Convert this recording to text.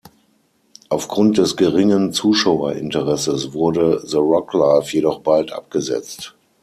Auf Grund des geringen Zuschauerinteresses wurde „The Rock Life“ jedoch bald abgesetzt.